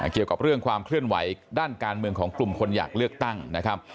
เกี่ยวกับเรื่องความเคลื่อนไหวด้านการเมืองของกลุ่มคนอยากเลือกตั้งนะครับ